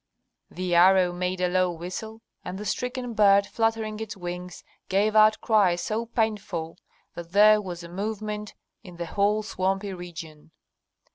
The arrow made a low whistle, and the stricken bird, fluttering its wings, gave out cries so painful that there was a movement in the whole swampy region.